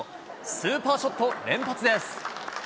スーパーショット連発です。